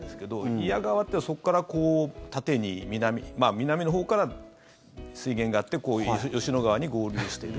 祖谷川というのはそこから縦に南のほうから、水源があって吉野川に合流していく。